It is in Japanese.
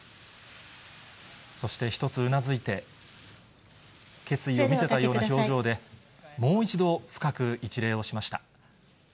そして一つうなずいて、決意を見せたような表情で、もう一度深く一礼をしました。